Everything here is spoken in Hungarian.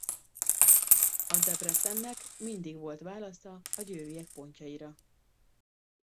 A Debrecennek mindig volt válasza a Győriek pontjaira.